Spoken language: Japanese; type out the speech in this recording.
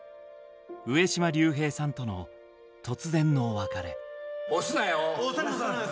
上島竜兵さんとの突然の別れ。